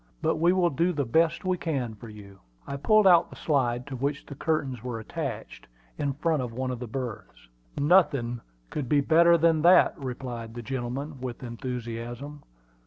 "But we will do the best we can for you." I pulled out the slide to which the curtains were attached, in front of one of the berths. "Nothing could be better than that," replied the gentleman, with enthusiasm.